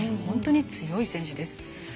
本当に強い選手です。